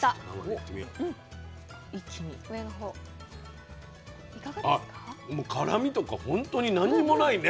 あっもう辛みとか本当に何もないね。